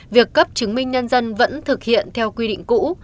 việc cấp chứng minh nhân dân vẫn thực hiện theo quy định cũ